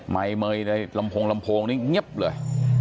ไหมลำโพงนี่เงี๊ยบเลย